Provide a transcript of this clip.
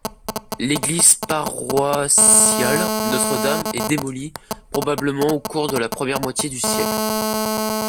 L'église paroissiale Notre-Dame est démolie, probablement au cours de la première moitié du siècle.